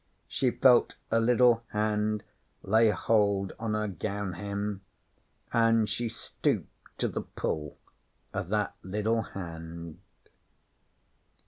She felt a liddle hand lay hold on her gown hem, an' she stooped to the pull o' that liddle hand.'